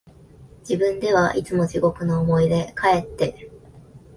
自分ではいつも地獄の思いで、かえって、